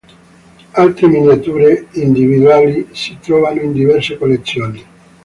Altre miniature individuali si trovano in diverse collezioni.